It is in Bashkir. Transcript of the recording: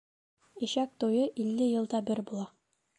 Ишәк туйы илле йылда бер була.